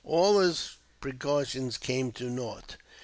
All his precautions came to nought.